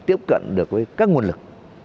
tiếp cận được với các nguồn lực